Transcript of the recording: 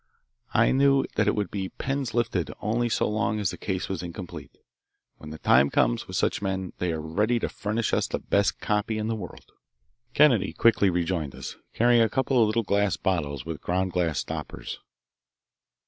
I knew that it would be "pens lifted" only so long as the case was incomplete. When the time comes with such men they are ready to furnish us the best "copy" in the world. Kennedy quickly rejoined us, carrying a couple of little glass bottles with ground glass stoppers.